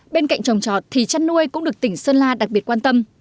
bên cạnh trồng trọt thì chăn nuôi cũng được tỉnh sơn la đặc biệt quan tâm